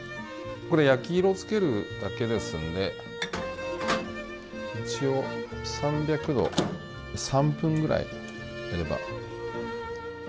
これ焼き色をつけるだけですので一応３００度、３分ぐらいやれば。